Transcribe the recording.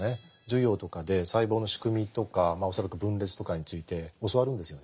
授業とかで細胞の仕組みとか恐らく分裂とかについて教わるんですよね。